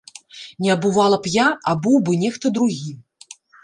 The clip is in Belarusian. Не абувала б я, абуў бы нехта другі.